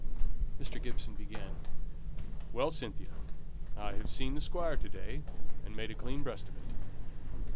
Mr. Gibson began, "Well, Cynthia; I've seen the Squire to day, and made a clean breast of it."